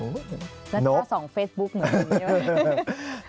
แล้วถ้าสองเฟสบุ้คเหมือนกัน